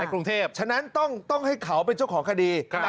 ในกรุงเทพฯฉะนั้นต้องต้องให้เขาเป็นเจ้าขอคดีค่ะ